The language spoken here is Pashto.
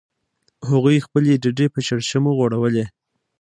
هغوی خپلې ډډې په شړشمو غوړولې